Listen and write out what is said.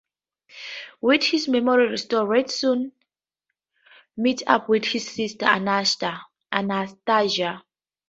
With his memory restored, Red soon meets up with his sister Anastasia.